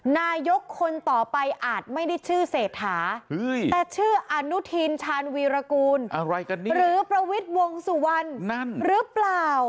นายกคนต่อไปอาจไม่ได้ชื่อเศรษฐาแต่ชื่ออนุทินชาญวีรกูลหรือประวิทย์วงสุวรรณนั่นหรือเปล่า